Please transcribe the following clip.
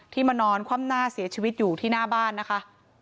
มานอนคว่ำหน้าเสียชีวิตอยู่ที่หน้าบ้านนะคะ